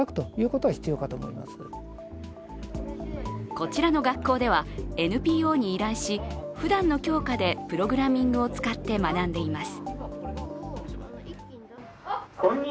こちらの学校ではＮＰＯに依頼し、ふだんの教科でプログラミングを使って学んでいます。